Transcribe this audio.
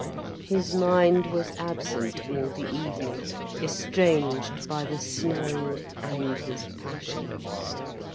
His mind was absent all the evening, estranged by the snow and his passion.